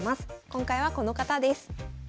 今回はこの方です。